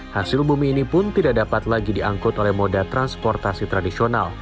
hasil bumi ini pun tidak dapat lagi diangkut oleh moda transportasi tradisional